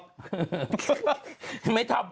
นุ่มอย่ายุ่ง